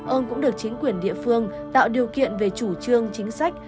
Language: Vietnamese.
ông cũng được chính quyền địa phương tạo điều kiện về chủ trương chính sách